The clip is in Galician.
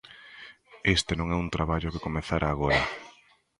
Este non é un traballo que comezara agora.